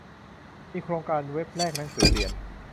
มีโครงการเว็บแลกหนังสือเรียน